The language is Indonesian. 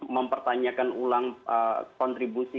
mempertanyakan ulang kontribusi